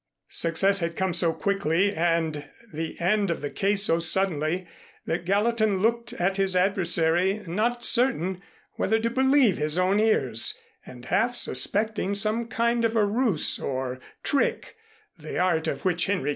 Success had come so quickly and the end of the case so suddenly that Gallatin looked at his adversary, not certain whether to believe his own ears, and half suspecting some kind of a ruse or trick, the art of which Henry K.